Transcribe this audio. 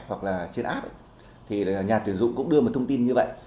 hoặc là trên app thì nhà tuyển dụng cũng đưa một thông tin như vậy